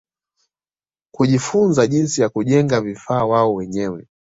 Kujifunza jinsi ya kujenga vifaa wao wenyewe